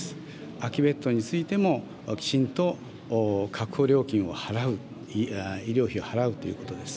空きベッドについても、きちんと確保料金を払う、医療費を払うということです。